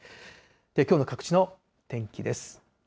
きょうの各地の天気です。